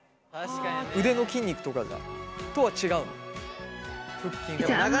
腕の筋肉とかじゃとは違うの？